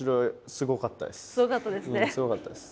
すごかったです。